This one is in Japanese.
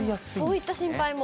そういった心配も。